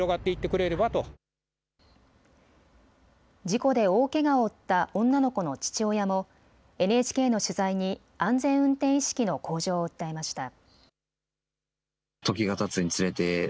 事故で大けがを負った女の子の父親もＮＨＫの取材に安全運転意識の向上を訴えました。